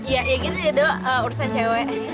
ya gitu ya doh urusan cewek